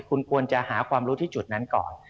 คุณควรจะหาความรู้ที่จุดนั้นก่อน